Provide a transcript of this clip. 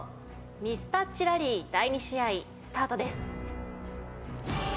ミスタッチラリー第２試合スタートです。